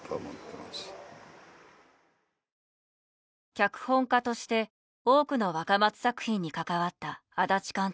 脚本家として多くの若松作品に関わった足立監督。